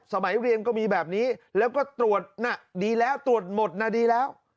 สมัยเรียนก็มีแบบนี้แล้วก็ตรวจน่ะดีแล้วตรวจหมดนะดีแล้ว